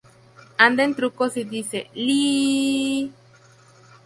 Anda en trucos y dice: "¡Iiii, iii ii!